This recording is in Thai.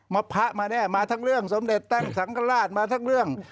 พระมาแน่มาทั้งเรื่องสมเด็จตั้งสังกราชมาทั้งเรื่อง